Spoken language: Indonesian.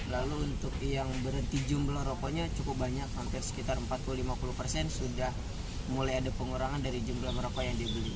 lalu untuk yang berhenti jumlah rokoknya cukup banyak hampir sekitar empat puluh lima puluh persen sudah mulai ada pengurangan dari jumlah merokok yang dibeli